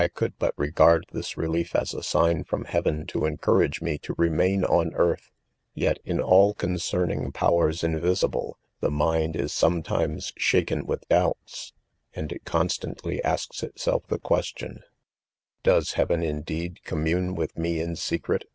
^■■■ 4 1 could but regard this relief as, ^signfrona heaven to encourage me to remain^ on^eartlu Yet in all concerning powers invisible, 'the. mini is sometimes shaken with doubts ; andit .constant ly asks itself the question : Does heavgiigia $fig IDOMEN ; 4eed* commune ,'with me in secret.